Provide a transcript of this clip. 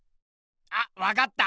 あっわかった！